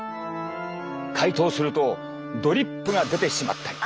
解凍するとドリップが出てしまったり。